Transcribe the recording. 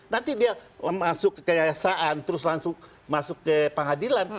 nanti dia masuk ke keyasaan terus langsung masuk ke pengadilan